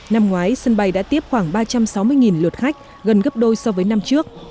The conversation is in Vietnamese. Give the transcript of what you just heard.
năm ngoái sân bay đã tiếp khoảng ba trăm sáu mươi lượt khách gần gấp đôi so với năm trước